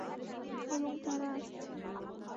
এবং তারা আসছে।